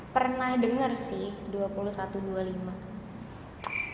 pernah dengar sih dua puluh satu dua puluh lima